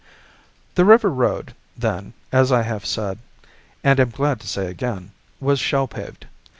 The river road, then, as I have said, and am glad to say again, was shell paved.